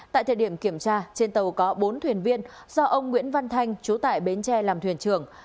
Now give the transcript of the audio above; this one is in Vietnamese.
tại thời điểm kiểm tra trên tàu có bốn thuyền viên do ông nguyễn văn thanh chú tại bến tre làm thuyền trưởng